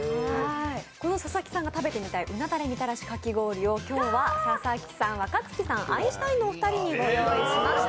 佐々木さんが食べてみたいうなたれみたらしかき氷を今日は佐々木さん、若槻さんアインシュタインのお二人にご用意いたしました。